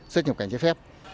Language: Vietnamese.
xuất nhập cảnh trái phép